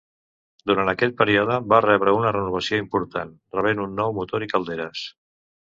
Durant aquell període va rebre una renovació important, rebent un nou motor i calderes.